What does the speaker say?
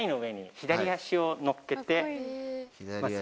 左足を乗っけて。